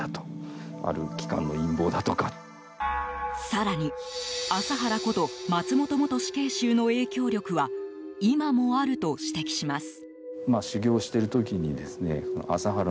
更に麻原こと松本元死刑囚の影響力は今もあると指摘します。